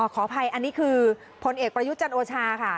ขออภัยอันนี้คือผลเอกประยุทธ์จันโอชาค่ะ